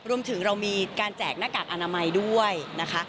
รวมถึงเรามีการแจกหน้ากากอนามัยด้วยนะคะ